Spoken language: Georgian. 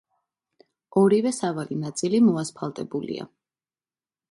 ორივე სავალი ნაწილი მოასფალტებულია.